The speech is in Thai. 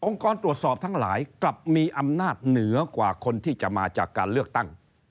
กรตรวจสอบทั้งหลายกลับมีอำนาจเหนือกว่าคนที่จะมาจากการเลือกตั้ง